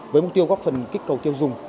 với mục tiêu góp phần kích cầu tiêu dùng